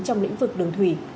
trong lĩnh vực đường thủy